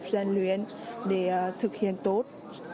dành luyện để thực hiện tốt